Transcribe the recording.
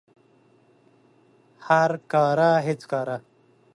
هر کاره هیڅ کاره